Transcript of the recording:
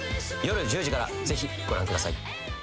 夜１０時からぜひご覧ください。